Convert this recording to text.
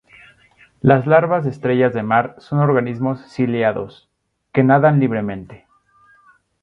Las larvas de estrellas de mar son organismos ciliados, que nadan libremente.